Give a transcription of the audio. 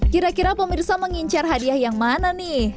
kira kira pemirsa mengincar hadiah yang mana nih